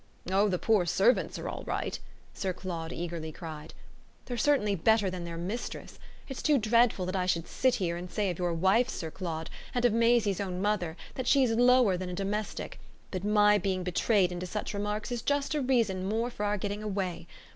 "Oh the poor servants are all right!" Sir Claude eagerly cried. "They're certainly better than their mistress. It's too dreadful that I should sit here and say of your wife, Sir Claude, and of Maisie's own mother, that she's lower than a domestic; but my being betrayed into such remarks is just a reason the more for our getting away.